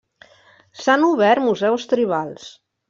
S'han obert museus tribals.